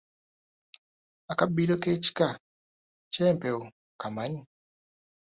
Akabbiro k’ekika ky’empeewo okamanyi?